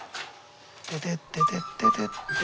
テテッテテッテテッテ。